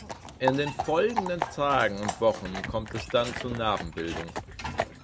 In den folgenden Tagen und Wochen kommt es dann zu Narbenbildung.